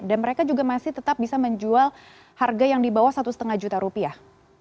dan mereka juga masih tetap bisa menjual harga yang di bawah satu lima juta rupiah